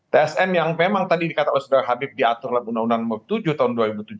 tsm yang memang tadi dikatakan oleh saudara habib diatur dalam undang undang nomor tujuh tahun dua ribu tujuh belas